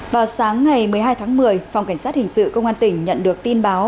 vào sáng ngày một mươi hai tháng một mươi phòng cảnh sát hình sự công an tỉnh nhận được tin báo